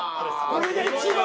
「これが一番」